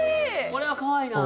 これはかわいいな